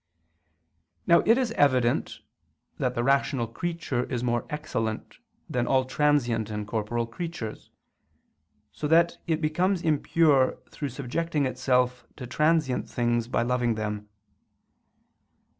Now it is evident that the rational creature is more excellent than all transient and corporeal creatures; so that it becomes impure through subjecting itself to transient things by loving them.